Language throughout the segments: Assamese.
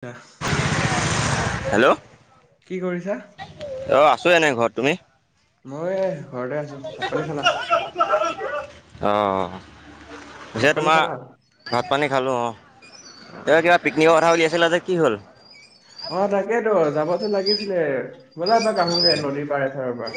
ক হেল্লো'। কি কৰিছা? আছো এনেই ঘৰত। তুমি? মই ঘৰতে আছো। ভাত পানী খালা? অ ভাত পিছে পানী তোমাৰ খালা? ভাত পানী খালো অ। তেওঁ কিবা অ' পিকনিকৰ কথা উলিয়াই জিলা যে কি হ'ল? অ তাকেইেতো যাবতো লাগিছিলে। বলা এপাক আহোগৈ নদীৰ পাৰে এঠাইৰ পৰা।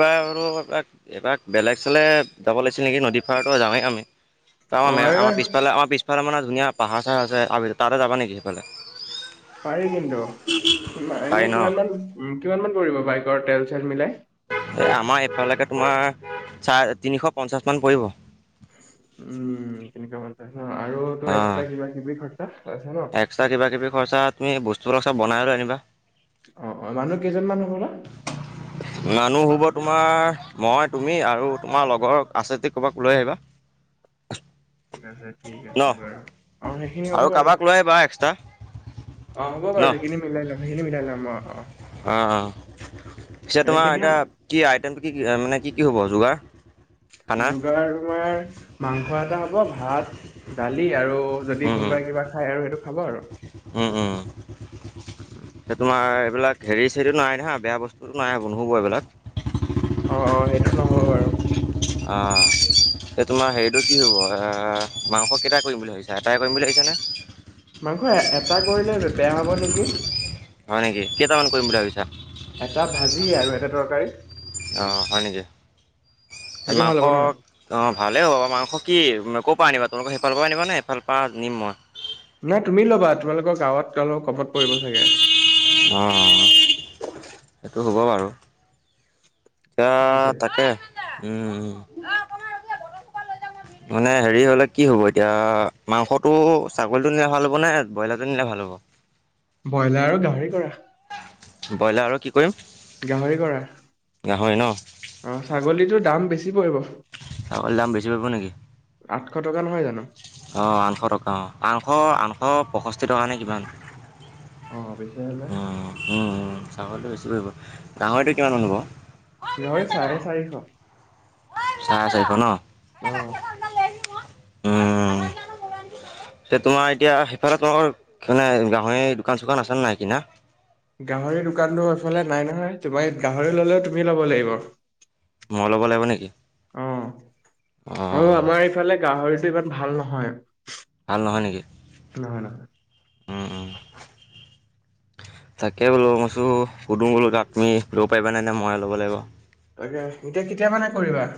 বাৰু। এবাক বেলেগ ফালে যাব লাগিছিল নেকি নদী পাৰেটো যাওঁয়েই আমি। তাৰ অ' মানে আমাৰ আৰু ম আমাৰ এইবাৰ পিছফালে আমাৰ পিছফালে মানে ধুনীয়া পাহাৰ চাহাৰ আছে তাতে যাবা নেকি সেইফালে? পাৰি কিন্তু। এনে পাৰি ন কিমানান উ কিমান মান পৰিব বাইকৰ তেল চেল মিলাই আমাৰ এফালেকে তোমাৰ চাৰ তিনিশ পঞ্চাশ মান পৰিব। উম তেনেকুৱা মানে ন আৰু ত অঁ এক্সট্ৰা কিবা কিবি খৰচা? আছে ন? এক্সট্ৰা কিবা কিবি খৰচা তুমি বস্তুবিলাক চব বনাই লৈ আনিবা। অ অ মানুহ কেইজন মানু মানুহ হ'বত তোমাৰ মই তুমি আৰু তোমাৰ লগৰ আছে যে কৰ'ৰবাক লৈ আহিবা। ঠিক আছে ঠিক ন আছে বাৰু অ সেইখিনি হ'ব আৰু বাৰু। কাৰোবাক লৈ আহিবা এক্সট্ৰা অ হ'ব বাৰু সেইখিনি মিলাই লম সেইখিনি মিলাই লম অ অ। অ অ পিছে এনে তোমাৰ কেতিয়া এতিয়া কি আইটেমটো কি কি মানে কি কি হ'ব? যোগান যোগাৰ তোমাৰ মাংস এটা হব ভাত, দালি আৰু যদি কোনোবাই কিবা খাই আৰু সেইটো খাব আৰু উ তোমাৰ এইবিলাক হেৰি চেৰিটো নাই ন হা বেয়া বস্তুটো নাইব নহুব এইবিলাক অ অ সেইটো নহয় আৰু আহঁ। এই তোমাৰ হেৰিটো কি হ'ব মাংস কেইটা কৰিম বুলি ভাবিছা এটাই কৰিম বুলি ভাবিছ নে? আক এটা কৰিলে বেয়া হব নেকি হয় নেকি কেইটামান কৰিম বুলি ভাবিছা? এটা ভাজি আৰু এটা তৰকাৰী। অঁ হয় নেকি সেইটো ভাল মাংস হ'ব ন অ ভালেই হ'ব মাংস কি কত? আনা তোমোকক সেইফালৰ পৰা আনবা ন সেইফাল পৰা নিম মই? নাই তুমি ল'বা তোমালোকৰ গাঁৱত কমত পৰিব চাগে। অঁ সেইটো হ'ব বাৰু এতিয়া সেইটোৱে তাকে ওম। [inaudible] মানে হেৰি হলে কি হ'ব এতিয়া মাংসটো ছাগলীটোলে নিলে ভাল হ'ব নে বইলাৰ জনিলে ভাল হ'ব। হব। বইলাৰ আৰু গাঁহৰি কৰা বইলাৰ আৰু কি কৰিম গাঁহৰি কৰা গাহৰি ন অ ছাগলীটো দাম বেছি পৰিব। অকল দাম বেছি পাব নেকি? আঠশ টকা নহয় জানোঁ। অঁ আঠশ টকা অঁ আঠশ আঠশ পঁয়ষষ্ঠি টকা নে কিমান। অ বেছি হলে উম উম ছাগলীটো বেছি পৰিব গাহৰিটো কিমান মান হব। গাঁহৰি চাৰে চাৰিশ। চাৰে চাৰিশ নহঁ উম। এ তোমাৰ এতিয়া সেইফালে তোমাৰ মানে গাঁহৰি দোকাঁন চোকান আছে নাই কিনা। গাঁহৰিৰ দোকানটো এফালে নাই নহয় তোমাৰ গাঁহৰি ললেও তুমি ল'ব লাগিব। মই ল'ব লাগিব নেকি? অ আৰু অঁ আমাৰ ইফালে গাঁহৰিটো ইমান ভাল নহয়। ভাল নহয় নেকি- নহয় নহয়। উম উম [inaudible] তাকে বোলো মইতো সুধো বোলো তাত তুমি লব পাৰিবা নে মই ল'ব লাগিব। তাকে এতিয়া কেতিয়া মানে কৰিবা-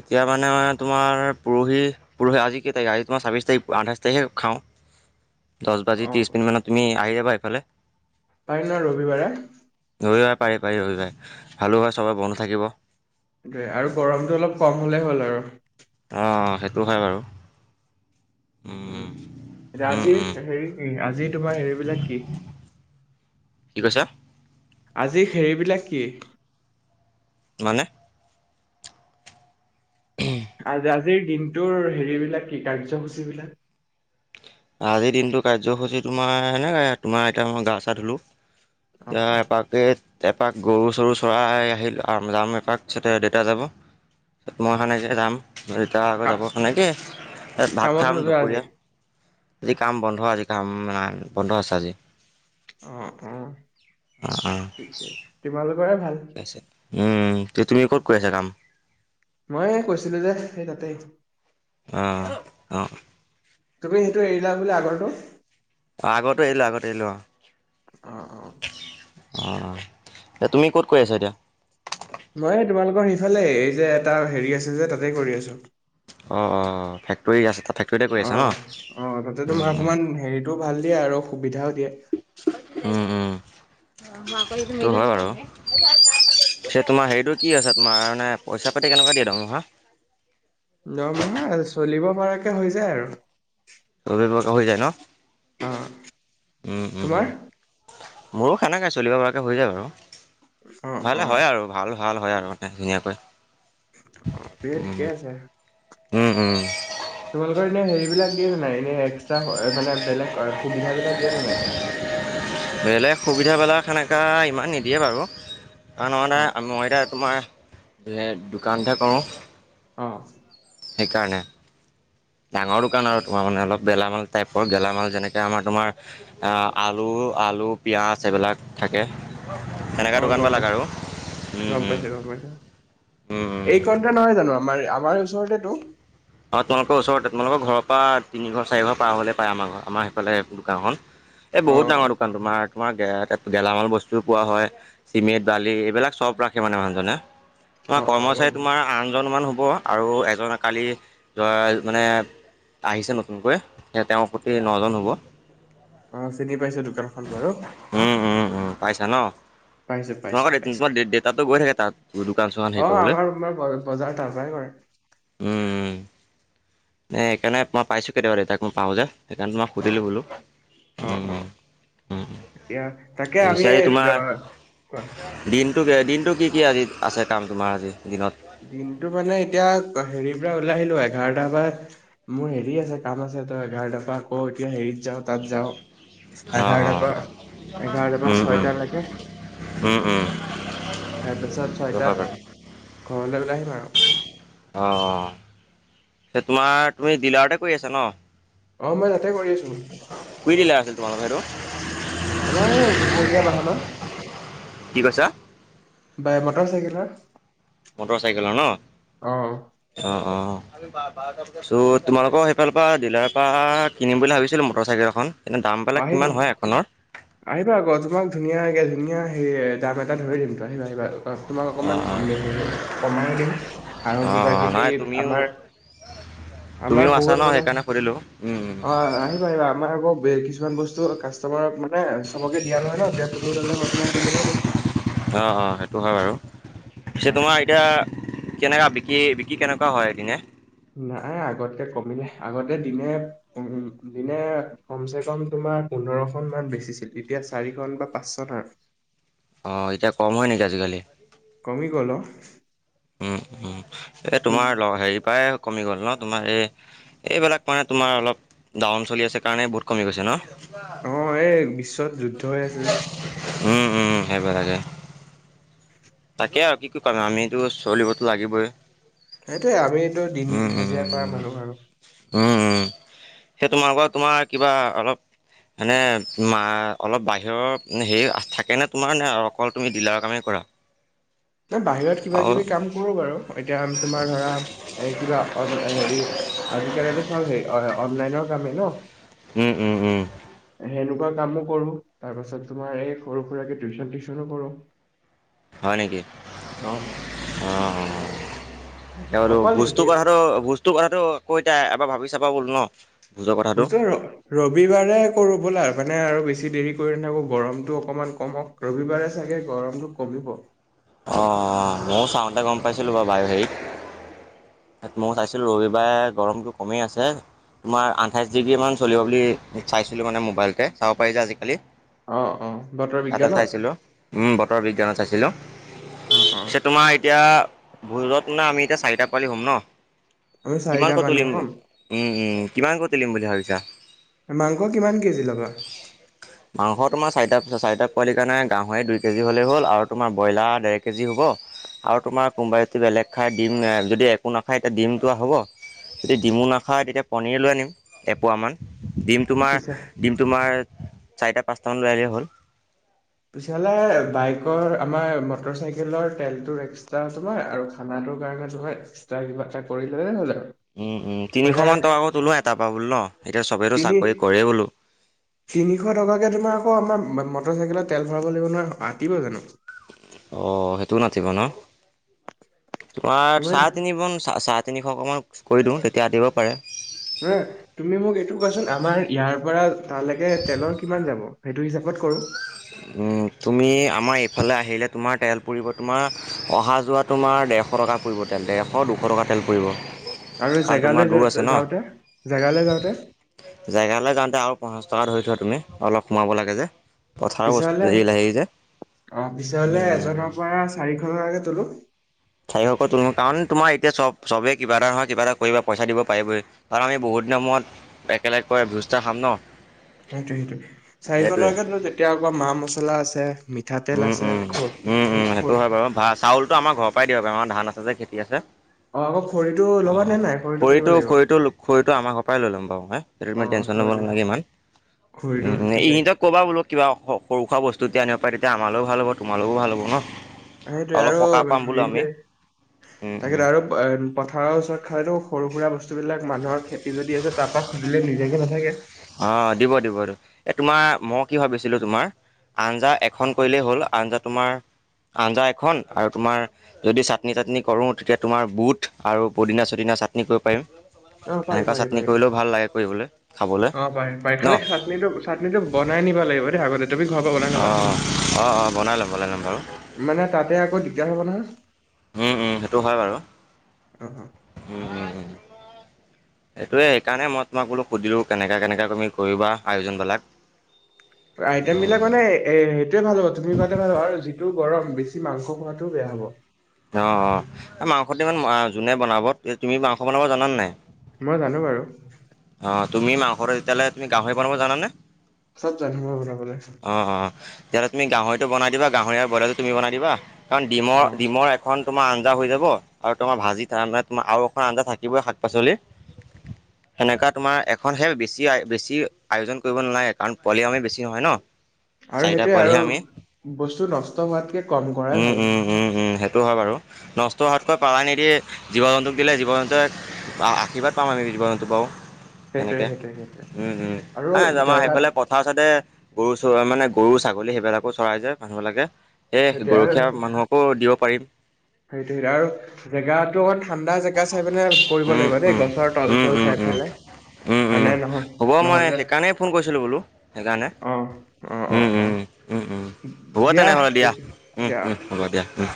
এতিয়া মানে তোমাৰ পৰহি পৰহি আজি কেই তাৰিখে আজি তোমাৰ ছাব্বিছ তাৰিখ আঠাইছ তাৰিখে খাওঁ। [inaudible] দহ বাজি অ ত্ৰিশ মিনিট মানত তুমি আহি যাবা এইফালে। পাৰিবানে ৰবিবাৰে। ৰবিবাৰে পাৰি পাৰি হৈ হালোৱাঁ চবৰে বন্ধ থাকিব। সেইয়া আৰু গৰমটো অলপ কম হ'লেই হ'ল আৰু অ সেইটো হয় বাৰু উ উম এতিয়া উম আজিৰ উম হেৰি আজি তোমাৰ হেৰিবিলাক কি? কি কৈছ? আজি হেৰিবিলাক কি। মানে? আজ আজিৰ দিনটোৰ হেৰিবিলাক কি কাৰ্যসূচী বিলাক। আজিৰ দিনটো কাৰ্যসূচী তোমাৰ, সেয়াই তোমাৰ এতিয়া মই গা চা ধুলোঁ। অ দে অ। এপাকেট এপাক গৰু চৰু চৰাই আহিলো, আৰু যাম এপাক পাছতে দেউতা যাব মই সেনেকে যাম দেউতা আকৌ কা যাব সেনেকে ভাত কামত খাম নোযোৱা আজি? দুপৰীয়া আজি কাম বন্ধ, আজি কাম বন্ধ আছে আজি। অহঁ অহঁ, অ অ তোমালোকৰে ভাল। উম, এতিয়া তুমি ক'ত কৰি আছা কাম? মই কৈছিলো যে সেই তাতেই। আহ অহঁ। তুমি সেইটো এৰিলা বোলে আগৰটো। অ আগতো এৰিলো আগতো এৰিলোঁ অহঁ। অহঁ অহঁ। অহঁ এতিয়া তুমি ক'ত কৰি আছা এতিয়া। মই তোমালোকৰ সিফালে এই যে এটা হেৰি আছে যে, তাতেই কৰি আছো। অঁ অ ফেক্টৰী আছে ফেক্টৰীতে কৰি অ আছে অ তাতে নহঁ তোমাৰ ওম ওম। অকমান হেৰিটো ভাল দিয়ে আৰু সুবিধাও দিয়ে। উম উম। সটো হয় বাৰু তোমাৰ হেৰিতটো কি আছে তোমাৰ মানে পইচা পাতি কেনেকুৱা দি। দৰমহা। দৰমহা চলিব পৰালৈকে হৈ যায় আৰু। চলিব পৰাকৈ হৈ যায় ন। অ উম উম উম তোমাৰ। মোৰো সেনেকে চলিব পৰাকে হৈ যায় বাৰু অ অ ভালে হয় আৰু ভাল। ভাল হয় আৰু মানে ধুনীয়াকৈ। অ উম ঠিকে আছে। উম উম। তোমালোকৰ এনে হেৰিবিলাক দিয়ে নাই এনে এক্। মানে বেলেগ সুবিধা বিলাক দিয়ে নে নাই। সনেুৱা ইমান নিদিয়ে বাৰু কাৰণ অ এ মই এতিাত। তোমাৰ দোকানহে কৰোঁ। অঁ। সেইকাৰণে ডাঙৰ দোকান আৰু তোমাৰ মানে অলপ। গেলামাল টাইপৰ, গেলামাল যেনেকৈ আমাৰ তোমাৰ আলু আলু পিঁয়াজ এইেইবিলাক। থাকে, সেনেুৱা অ দোকান গম বোৰ লাগে পাইছো আৰু। এই কণতে নহয় জানো আমাৰ আমাৰ ওচৰতেতটো। অ, তোমালোকৰ ওচৰত তোমালোকৰ ঘৰৰ পৰা তিনি ঘৰ চাৰি ঘৰ পাৰ হলে পায় আমাৰ ঘৰ আমাৰ সেইফালে দোকানখন। এই অ বহুত ডাঙৰ দোকান তোমাৰ তোমাৰ গে। গেলামাল বস্তুও পোৱা হয়, চিমেণ্ট বালি এইবিলাক চব ৰাখে মানে মানুহজনে। তোমাৰ অ অ কৰ্মচাৰী গম তোমাৰ আনজন মান হ'ব আৰু এজন কালি। মানে আহিছে নতুনকৈ স তেওঁৰ প্ৰতি অ নজন হ'ব। অ চিনি পাইছো দোকানখন বাৰু। উম উম পাইছা ন, পাইছো পাইছো তোমাৰোকৰ পাইছো তোমাৰ দেতাতটো গৈ থাকে তাত। দোকান চোকান অ সেই কৰিবলৈ, আমাৰ আমাৰ ব- বজাৰ তাৰ পৰাই কৰে উম উ। সেইকাৰণে মই পাইছো কেতিয়াবাৰে তাক মই পাওঁ যে। সেইকাৰণে তোমাক অ সুধিলোঁ বোলো। অ উ অ এতিয়া তাকে এই আমি পিছাৰ দ- কোৱা তোমাৰ দিন। দিনটো কি কি, আজি আছে কাম তোমাৰ আজি দিনত। দিনতটো মানে এতিয়া হেৰিৰ পৰা ওলাই আহিলো এঘাৰটাৰ পৰা মোৰ হেৰি আছে কাম আছে তই এঘাৰ পা ক এতিয়া হেৰিত যাও তাত যাও অঁ এঘাৰটাৰ অঁ অঁ পৰা এঘাৰটাৰ পৰা ছয়টালৈকে তাৰপিছত ছয়টাত অঁ ঘৰলৈ উলাই আহিম আৰু অ তোমাৰ তুমি ডিলাৰতে কৰি আছা ন অ মই তাতে কৰি আছো কুই দিলাৰ আছিল তোমালোকৰ সেইটো আমাৰ এই দুচকীয়া বাহনৰ কি কৈছা বাই মটৰ চাইকেলৰ মটৰ চাইকেলৰ ন অ অ অ চ' তোমালোকৰ সেইফালৰ পৰা ডিলাৰৰ পৰা কিনিম বুলি ভাবিছিলো মটৰ চাইকেল এখন এনে দামবিলাক আহিবা কিমান হয় এখনৰ আহিবা আকৌ তোমাক ধুনীয়াই ধুনীয়া হেৰি দাম এটা ধৰি দিমতো আহিবা আহিবা। তোমাক অ অকমান হেৰি কমাইও দিম আৰু অ কিবা অ কিবি নাই তুমিও আমাৰ আমাৰ তুমিও আছা বহুত ন মানে সেইকাৰণে সুধিলোঁ অঁ আহিবা আহিবা আমাৰ আকৌ কিছু কিছুমান বস্তু কাষ্টমাৰক মানে নাই চবকে দিয়া নহয় ন দিয়া তুমি ললে মই তোমাকটো মিলাই দিম অ অ সেইটো হয় বাৰু পিছে হা, তোমাৰ এতিয়া কেনেকা বিকি বিকি কেনেকুৱা হয় এদিনে নাই আগতকে কমিলে আগতে দিনে উ দিনে কম চে কম তোমাৰ পোন্ধৰখন মান বেচিছিল এতিয়া চাৰিখন বা পাঁচ খনৰ আৰু অ এতিয়া কম হয় নেকি আজিকালি কমি গল অ উম উম এ উম, তোমাৰ হেৰি পৰাই কমি গ'ল ন তোমাৰ এই এইবিলাক মানে তোমাৰ অলপ দাৱন চলি আছে কাৰণে বহুত কমি গৈছে ন অ এই বিশ্বত যুদ্ধ হৈ আছে যে উম উম সেইবিলাকে তাকে আৰু কি কি কৰিম আমিতো চলিবতো লাগিবই সেইটোয়ে আমিতো দিন উম, উম, হাজিৰা কৰা উম। মানুহ আৰু উম উম সেই তোমালোকৰ তোমাৰ কিবা অলপ মানে মা অলপ বাহিৰৰ হেৰি থাকেনে তোমাৰ নে অকল তুমি ডিলাৰৰ কামেই কৰা [inaudible] ন বাহিৰত কিবা আৰু কিবি কাম কৰো বাৰু এতিয়া তোমাৰ ধৰা এ কিবা হেৰি আজি আজিকালি চব সেই অনলাইনৰ কামেই ন উম উম উম সেনেকুৱা কামো কৰো তাৰ পাছত তোমাৰ এই সৰু সুৰাকে টিউচন চিউচনো কৰোঁ হয় নেকি অঁ যেতিয়া হ'লো অকল বুজ্তুৰ সেই কথাটো বুজ্তুৰ কথাটো কৈ তাই এবাৰ ভাবি চাবা বোলো ন ভোজৰ কথাটো ভোজৰৰ ৰবিবাৰে কৰো বলা আৰু মানে আৰু বেছি বেছি দেৰি কৰি নাথাকো গৰমটো অকমান কম সক ৰবিবাৰে চাগে গৰমতটো কমিব অ ময়ো চাওঁতে গম পাইছিলোঁ বাৰু বাই হেৰিত মই চাইছিলো ৰবিবাৰে গৰমতটো কমেই আছে তোমাৰ আঠাইছ ডিগ্ৰী মান চলিব বুলি চাইছিলোঁ মানে মোবাইলতে চাব পাৰি যে আজিকালি অ অ বতৰ তাতে বিজ্ঞানত চাইছিলো। উম বতৰ বিজ্ঞানত চাইছিলো অ অ পিছে তোমাৰ এতিয়া ভোজত মানে আমি এতিয়া চাৰিটা পোৱালি হ'ম ন আমি চাৰিটা কিমান কৈ মানুহ তুলিম হ'ম উম উম কিমান কৈ তুলিম বুলি ভাবিছা মাংস কিমান কেজি ল'বা মাংস তোমাৰ চাৰিটা চাৰিটা পোৱালিৰ কাৰণে গাঁহৰি দুই কেজি হ'ল আৰু ব্ৰইলাৰ ডেৰ কেজি হ'ব আৰু তোমাৰ কোনোবা এদিন বেলেগ খাই দিম যদি একো নাখায় এতিয়া দিমটো হ'ব যদি ডিমু নাখায় তেতিয়া পনীৰ লৈ আনিম এপোৱা মান ডিম তোমাৰ পিছে ডিম তোমাৰ চাৰিটা পাঁচটামান লৈ আনিলেই হ'ল। পিছালে বাইকৰ আমাৰ মটৰ চাইকেলৰ তেলটোৰ এক্সট্ৰা আছে ন আৰু মই খানা সেটো কাৰণে তোমাৰ এক্সট্ৰা কিবা এটা কৰিলে হল আৰু। উম উম তিনিশ মানে মান টকাকে তোলো এটাৰ পৰা বোলো ন। এতিয়া চবেতো তিনি চাকৰি কৰে বোলো। তিনিশ টকাকে তোমাৰ আকৌ আমাৰ মটৰ চাইকেলত তেল ভৰাব লাগিব নহয়। আটিব জানো? [unintelligible] আহ সেইটোও নাটিব ন? তোমাৰ তুমি চাৰে তিন ম চাৰে তিনিশ অকমান কৰি দিওঁ তেতিয়া আটিব পাৰে। হ তুমি মোক এইটো কোৱাচোন আমাৰ ইয়াৰ পৰা তালৈকে তেলৰ কিমান যাব? সেইটো হিচাপত কৰো। তুমি আমাৰ এইফালে আহিলে তোমাৰ তেল পুৰিব তোমাৰ অহা যোৱা তোমাৰ দেৰ এশ টকা পৰিব তেলতে ডেৰ, দুশ টকা তেল পৰিব। আৰু কাৰণ তোমাৰ জেগালৈ দূৰ যা আছে যাওঁতে? জেগালে যাওঁতে? জেগালে যাওঁতে আৰু পঞ্চাছ টকা ধৰি থোৱা তুমি। অলপ সোমাব লাগে যে। পথাৰৰ পিছে বস্তু হলে হেৰি হেৰি যে অ পিছে হলে এজনৰ পৰা চাৰিশ টকাকে তোলোঁ? চাৰিশকৈ তোলোঁ কাৰণ তোমাৰ এতিয়া চব চবেই কিবা এটা নহয় কিবা এটা কৰিব পইচা দিব পাৰিবই। কাৰণ আমি বহুত দিনৰ সময়ত একেলগকৈ সা খাম ন? সেইটোৱে, সেইটোৱে। চাৰিশ সেইটোৱে টকাকে তোলোঁ, তেতিয়া আ মা মছলা আছে মিঠাতেল আছে খ খ উম-উম-উম-উম। খ সেইটো হয় বাৰু। চাউলটো আমাৰ ঘৰৰ পৰাই দিব পাৰ আমাৰ ধান আছে যে খেতি আছে। অ আকৌ খৰিটো অ ল'বা নে নাই কিনিব খৰিটো, লাগিব খৰিটো, খৰিটো আমাৰ ঘৰৰ পৰাই লৈ ল'ম বাৰু আ সেইটো অ তে চন লব খৰি নালাগে ইমান। খৰিটো উম পিছে ইহঁতক ক'বা বোলো কিবা সৰু সুৰা বস্তু যদি আ পাৰে তেতিয়া আমালেও ভাল হ'ব। তোমালোকৰু ভাল হ'ব ন? সেইটোৱে অলপ আৰু সকাহ পাম বোলো হেৰি আমি যে উম তাকে উম আৰু পথাৰৰ ওচৰত খালেটো সৰু সুৰা বস্তু বস্তুবিলাক মানুহৰ খেতি যদি আছে তাৰ পৰা সুজিলে নিদিয়াকে নাথাকে। অ দিব দিব দিব। এ তোমাৰ মই কি ভাবিছিলো তোমাৰ, আঞ্জা এখন কৰিলেই হ'ল আঞ্জা তোমাৰ আঞ্জা এখন আৰু তোমাৰ যদি চাটনি -চাটনি কৰো তেতিয়া তোমাৰ বুট আৰু পদিনা-চদিনা চাটনি কৰিব পাৰিম। অ পাৰি সেনেকুৱা পাৰি চাটনি পাৰি কৰিলেও ভাল লাগে কৰিবলে অ পাৰি, পাৰি। খালি চাটনিটো চাটনিটো বনাই নিব লাগিব দেই আগতে। তুমি ঘৰৰ পৰা বনাই ল'বা। অঁ অঁ বনাই ল'ম বনাই ল'ম বাৰু মানে তাতে আকৌ দিগদাৰ হব নহয়। উম, উম, সেইটো হয় বাৰু। অ অ উম, উম। [inaudible] সেইটোৱে সেইকাৰণে মই তোমাক বোলো সুধিলো কেনেকুৱা কেনেকুৱা তুমি কৰিবা আয়োজন বিলাক। আইটেম বিলাক মানে এ সেইটোৱে ভাল হ'ব, তুমি কোৱাতে ভাল হ'ব আৰু যিটো গৰম বেছি মাংস খোৱাটোও বেয়া হ'ব। অ অ মাংসটো ইমান যোনে বনাব, তুমি মাংস বনাব জানা নাই? মই জানো বাৰু। অ তুমি মাংসটো তেতিয়াহলে তুমি গাহৰি বনাব জানা নে? চব জানো মই বনাবলে। অঁ তেতিয়াহলে তুমি গাহৰিটো বনাই দিবা, গাহৰি আৰু বইলাৰটো তুমি বনাই দিবা। কাৰণ ডিমৰ অ ডিমৰ এখন তোমাৰ আঞ্জা হৈ যাব আৰু তোমাৰ ভাজি মানে তমাৰ আৰু এখন আঞ্জা থাকিবই শাক পাচলি [inaudible] সেনেকা তোমাৰ এখনহে বেছি বেছি আয়োজন কৰিব নালাগে কাৰণ পোৱালি আমি বেছি নহয় ন। আৰু চাৰিটা সেইটোৱে পোৱালি আৰু হে আমি। বস্তু নষ্ট হোৱাতকে কম কৰাই ভাল উম-উম-উম-উম সেইটো হয় বাৰু। নষ্ট হোৱাতকৈ পালাই নিদি জীৱ জন্তুক দিলে, জীৱ জন্তুৱে আশীৰ্বাদ পাম আমি। জীৱ জন্তুৰ পাও। সেইটোৱে সেনেকে, সেইটোৱে সেইটোৱে উম উম আৰু নাই আমাৰ জেগাত সেইফালে পথাৰ চাইদে গৰু মানে গৰু ছাগলী সেইবিলাকো চৰাই যে মানুহবিলাকে। এই সেইটোৱে আৰু গৰখীয়া মানুহকো দিব পাৰিম সেইটোৱে আৰু জেগাটো অকণ ঠাণ্ডা জেগা চাই পিনে কৰিব উম লাগিব দেই, উম গছৰ তল উম চল উম চাই উম পেলাই। উম উম, মানে নহয় হ'ব। মই নহ'লে সেইকাৰণেই ফোন কৰিছিলোঁ বোলো সেইকাৰণে অ অ অ অ হ'ব তেনেহ'লে দিয়া, উম দিয়া অ হুম্ হ'ব দিয়া। উম।